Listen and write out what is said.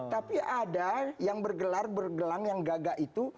tapi ada yang bergelar bergelang yang gagak itu